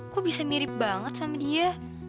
kok bisa mirip banget sama dia